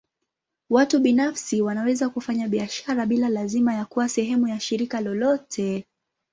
Watu binafsi wanaweza kufanya biashara bila lazima ya kuwa sehemu ya shirika lolote.